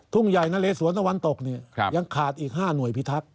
ทุ่งใหญ่นะเลสวนตะวันตกเนี่ยยังขาดอีก๕หน่วยพิทักษ